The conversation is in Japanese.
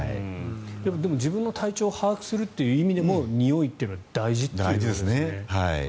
でも、自分の体調を把握する意味でもにおいは大事ということですね。